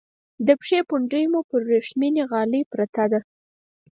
د پښې پونډۍ مو پر ورېښمینې غالی پرته ده.